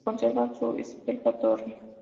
Se conserva su esbelta torre.